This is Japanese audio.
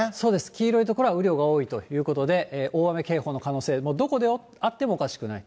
黄色い所は雨量が多いということで、大雨警報の可能性、どこであってもおかしくない。